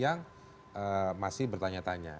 yang masih bertanya tanya